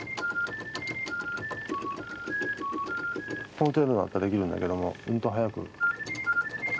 この程度だったらできるんだけどもうんと速く。